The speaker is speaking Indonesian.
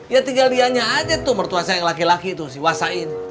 ya tinggal dianya aja tuh mertua saya yang laki laki itu si wasain